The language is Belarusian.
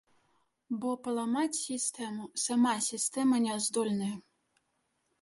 Бо паламаць сістэму сама сістэма не здольная.